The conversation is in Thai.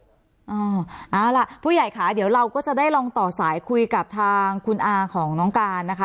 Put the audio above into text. เอาล่ะผู้ใหญ่ค่ะเดี๋ยวเราก็จะได้ลองต่อสายคุยกับทางคุณอาของน้องการนะคะ